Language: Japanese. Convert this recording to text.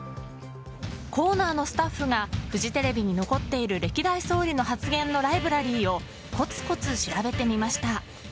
コーナーのスタッフがフジテレビに残っている歴代総理の発言のライブラリーをコツコツ調べてみました。